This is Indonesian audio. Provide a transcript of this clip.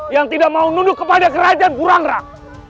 yang tidak mau nunduk kepada kerajaan burangrang